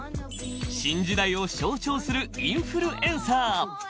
新時代を象徴するインフルエンサー。